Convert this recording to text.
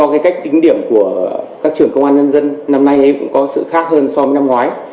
do cái cách tính điểm của các trường công an dân dân năm nay ấy cũng có sự khác hơn so với năm ngoái